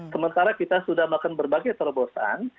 sementara kita sudah melakukan berbagai terobosan